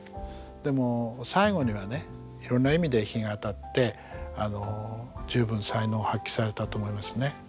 でも最後にはねいろんな意味で日が当たって十分才能を発揮されたと思いますね。